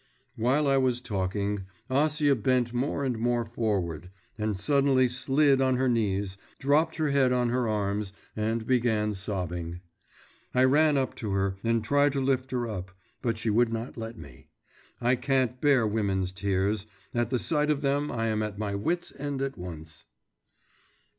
…' While I was talking, Acia bent more and more forward, and suddenly slid on her knees, dropped her head on her arms, and began sobbing. I ran up to her and tried to lift her up, but she would not let me. I can't bear women's tears; at the sight of them I am at my wits' end at once.